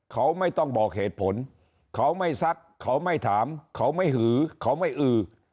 เขาไม่ต้องบอกเหตุผลเขาไม่ซักเขาไม่ถามเขาไม่หือเขาไม่อือ